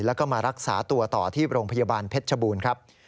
แล้วก็มารักษาตัวต่อที่โรงพยาบาลเพชรชบูรณ์ครับ